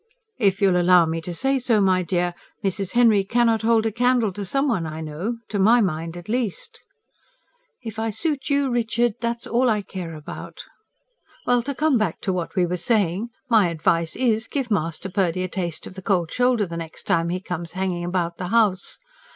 "If you'll allow me to say so, my dear, Mrs. Henry cannot hold a candle to some one I know to my mind, at least." "If I suit you, Richard, that's all I care about." "Well, to come back to what we were saying. My advice is, give Master Purdy a taste of the cold shoulder the next time he comes hanging about the house.